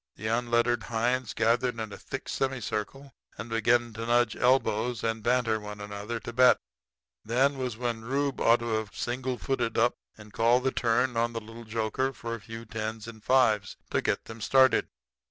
The unlettered hinds gathered in a thick semicircle and began to nudge elbows and banter one another to bet. Then was when Rufe ought to have single footed up and called the turn on the little joker for a few tens and fives to get them started.